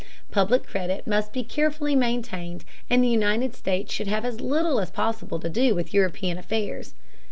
Public credit must be carefully maintained, and the United States should have as little as possible to do with European affairs.